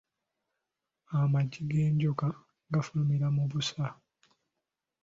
Amagi g’enjoka gafulumira mu busa.